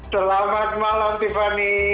selamat malam tiffany